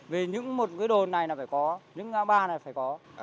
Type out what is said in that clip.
vì những một cái đồn này là phải có những ba này là phải có